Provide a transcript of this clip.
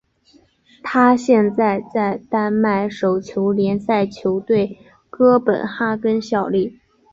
他现在在丹麦手球联赛球队哥本哈根效力。